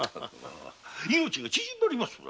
命が縮まりますぞ。